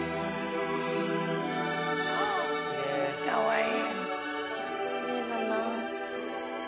かわいい。